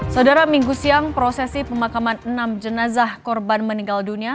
saudara minggu siang prosesi pemakaman enam jenazah korban meninggal dunia